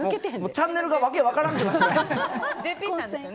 チャンネルがわけ分からなくなって。